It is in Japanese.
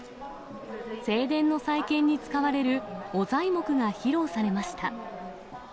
正殿の再建に使われる御材木が披露されました。